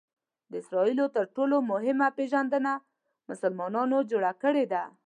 د اسراییلو تر ټولو مهمه پېژندنه مسلمانانو جوړه کړې ده.